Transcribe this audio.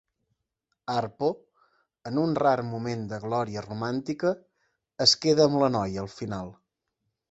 Harpo, en un rar moment de glòria romàntica, es queda amb la noia al final.